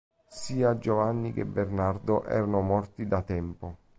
Sia Giovanni che Bernardo erano morti da tempo.